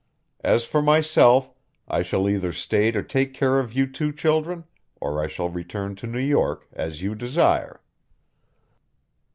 As for myself, I shall either stay to take care of you two children, or I shall return to New York, as you desire."